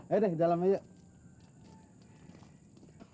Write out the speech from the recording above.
ayo deh ke dalam yuk